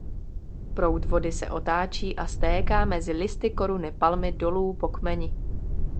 Proud vody se otáčí a stéká mezi listy koruny palmy dolů po kmeni.